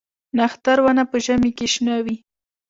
نښتر ونه په ژمي کې شنه وي؟